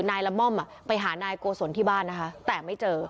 ละม่อมไปหานายโกศลที่บ้านนะคะแต่ไม่เจอ